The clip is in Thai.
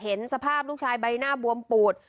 เห็นสภาพลูกชายใบหน้าบวมปูด